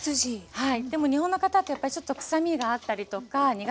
はい。